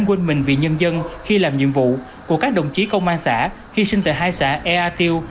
quên mình vì nhân dân khi làm nhiệm vụ của các đồng chí công an xã hy sinh tại hai xã ea tiêu